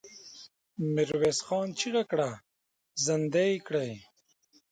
ميرويس خان چيغه کړه! زندۍ يې کړئ!